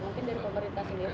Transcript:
mungkin dari pemerintah sendiri